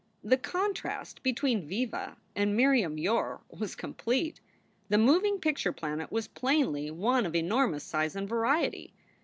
The contrast between Viva and Miriam Yore was complete. The moving picture planet was plainly one of enormous size and variety.